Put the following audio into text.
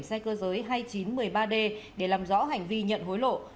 xe cơ giới hai mươi chín một mươi ba d để làm rõ hành vi nhận hối lộ